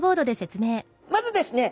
まずですね